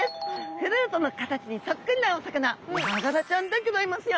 フルートの形にそっくりなお魚ヤガラちゃんでギョざいますよ。